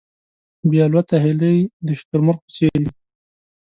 بې الوته هیلۍ د شتر مرغ په څېر وې.